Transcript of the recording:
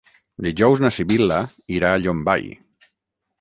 Dijous na Sibil·la irà a Llombai.